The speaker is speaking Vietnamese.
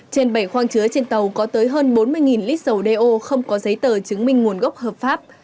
trên bảy khoang chứa trên tàu có tới hơn bốn mươi lít dầu đeo không có giấy tờ chứng minh nguồn gốc hợp pháp